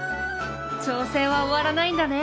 挑戦は終わらないんだね。